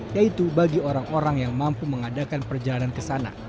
yaitu bagi orang orang yang mampu mengadakan perjalanan ke sana